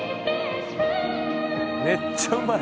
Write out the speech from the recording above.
めっちゃうまい。